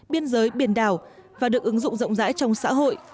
biên giới biển đảo và được ứng dụng rộng rãi trong xã hội